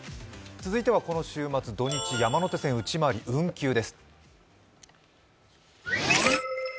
続いてはこの週末土日、山手線内回り運休です。